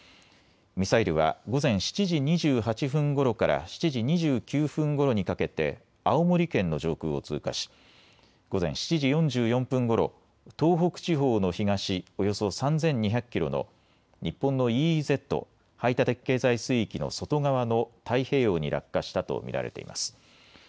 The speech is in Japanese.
ミサイルは午前７時２８分ごろから７時２９分ごろにかけて、青森県の上空を通過し、午前７時４４分ごろ、東北地方の東およそ３２００キロの日本のＥＥＺ・排他的経済水域の外側の太平洋に落下したと見られています。